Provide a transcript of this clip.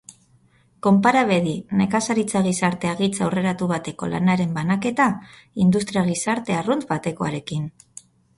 Konpara bedi nekazaritza-gizarte hagitz aurreratu bateko lanaren banaketa industria-gizarte arrunt batekoarekin.